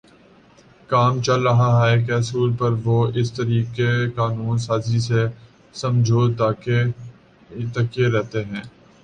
کام چل رہا ہے کے اصول پر وہ اس طریقِ قانون سازی سے سمجھوتاکیے رہتے ہیں